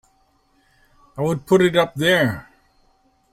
I would put it up there!